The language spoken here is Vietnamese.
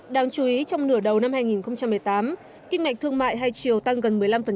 đáng chú ý trong nửa đầu năm hai nghìn một mươi tám kinh mạch thương mại hai chiều tăng gần một mươi năm